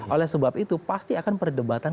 oleh sebab itu pasti akan perdebatan